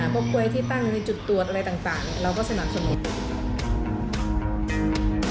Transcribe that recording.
พวกกล้วยที่ตั้งในจุดตรวจอะไรต่างเราก็สนับสนุน